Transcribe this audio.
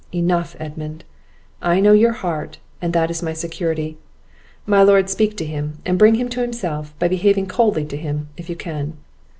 "Enough, Edmund; I know your heart, and that is my security. My lord, speak to him, and bring him to himself, by behaving coldly to him, if you can."